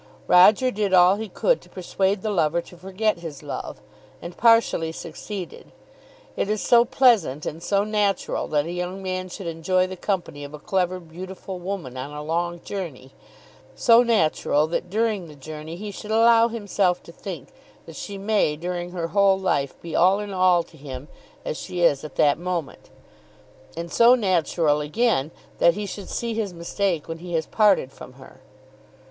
Roger did all he could to persuade the lover to forget his love, and partially succeeded. It is so pleasant and so natural that a young man should enjoy the company of a clever, beautiful woman on a long journey, so natural that during the journey he should allow himself to think that she may during her whole life be all in all to him as she is at that moment; and so natural again that he should see his mistake when he has parted from her!